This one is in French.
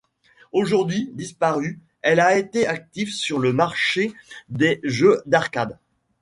Aujourd'hui disparue, elle a été active sur le marché des jeux d'arcade.